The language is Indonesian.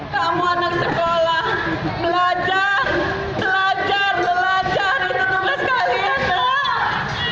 kamu anak sekolah belajar belajar belajar itu cuma sekali